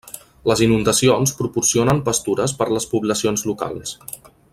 Les inundacions proporcionen pastures per a les poblacions locals.